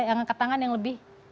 yang ke tangan yang lebih